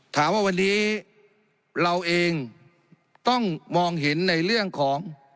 ถามว่าวันนี้เราเองต้องมองเห็นในเรื่องของ